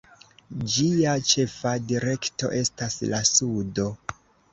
Ĝia ĉefa direkto estas la sudo.